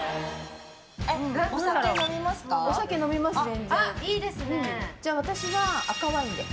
お酒飲みます、全然。